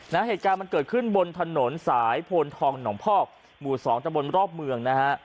เหตุการณ์มันเกิดขึ้นบนถนนสายโพนทองหนองพอกหมู่สองตะบนรอบเมืองนะฮะ